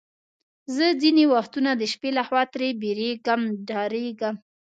زه ځینې وختونه د شپې له خوا ترې بیریږم، ډارېږم.